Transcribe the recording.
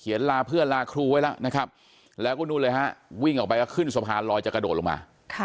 ลาเพื่อนลาครูไว้แล้วนะครับแล้วก็นู่นเลยฮะวิ่งออกไปก็ขึ้นสะพานลอยจะกระโดดลงมา